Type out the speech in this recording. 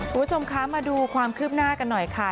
คุณผู้ชมคะมาดูความคืบหน้ากันหน่อยค่ะ